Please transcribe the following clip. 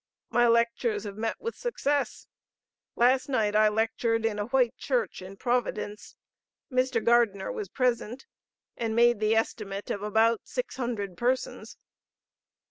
My lectures have met with success. Last night I lectured in a white church in Providence. Mr. Gardener was present, and made the estimate of about six hundred persons.